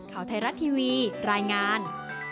ข่าวไทยรัฐทีวีรายงาน